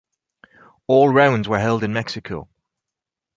All rounds were held in Mexico.